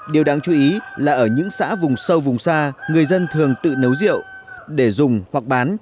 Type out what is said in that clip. điều đáng chú ý là ở những xã vùng sâu vùng xa người dân thường tự nấu rượu để dùng hoặc bán